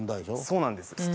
そうなんです。